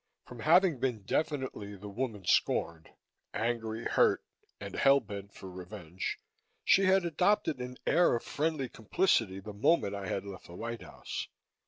From having been definitely the woman scorned angry, hurt and hell bent for revenge she had adopted an air of friendly complicity the moment I had left the White House.